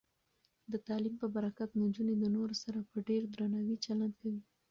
د تعلیم په برکت، نجونې د نورو سره په ډیر درناوي چلند کوي.